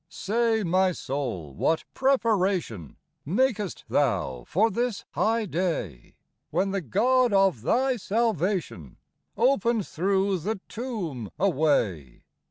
73 Say, my soul, what preparation Makest thou for this high day, When the God of thy salvation Opened through the tomb a way